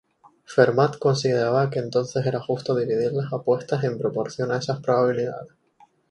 Fermat consideraba que entonces era justo dividir las apuestas en proporción a esas probabilidades.